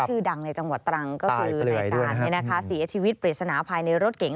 ชื่อดังในจังหวัดตรังก็คือในการเสียชีวิตปริศนาภายในรถเก๋ง